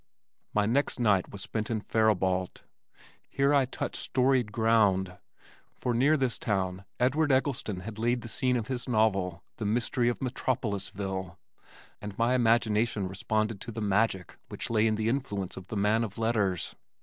My next night was spent in Faribault. Here I touched storied ground, for near this town Edward Eggleston had laid the scene of his novel, The Mystery of Metropolisville and my imagination responded to the magic which lay in the influence of the man of letters.